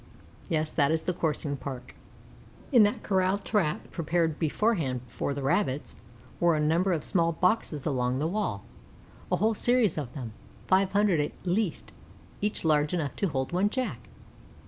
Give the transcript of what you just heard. Yes, that is the Coursing Park. In that corral trap, prepared beforehand for the Rabbits, were a number of small boxes along the wall, a whole series of them, five hundred at least, each large enough to hold one Jack.